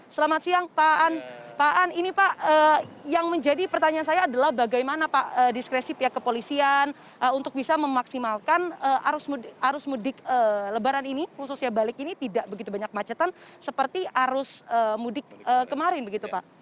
selamat siang pak an pak an ini pak yang menjadi pertanyaan saya adalah bagaimana pak diskresi pihak kepolisian untuk bisa memaksimalkan arus mudik lebaran ini khususnya balik ini tidak begitu banyak macetan seperti arus mudik kemarin begitu pak